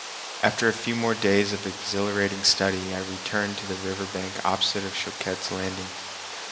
After a few more days of exhilarating study I returned to the river bank opposite Choquette's landing.